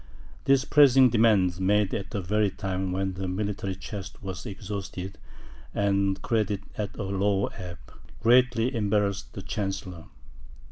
These pressing demands, made at the very time when the military chest was exhausted, and credit at a low ebb, greatly embarrassed the chancellor.